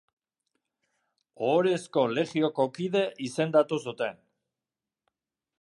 Ohorezko Legioko kide izendatu zuten.